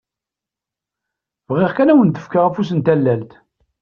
Bɣiɣ kan ad awen-d-fkeɣ afus n tallalt!